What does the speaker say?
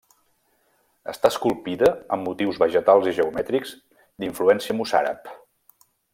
Està esculpida amb motius vegetals i geomètrics d'influència mossàrab.